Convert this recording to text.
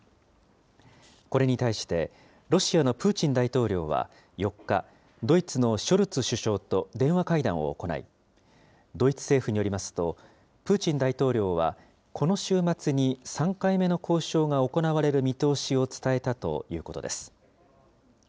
これに対して、ロシアのプーチン大統領は４日、ドイツのショルツ首相と電話会談を行い、ドイツ政府によりますと、プーチン大統領は、この週末に３回目の交渉が行われる見通しを伝えたということです。